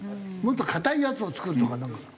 もっと固いやつを作るとかなんか。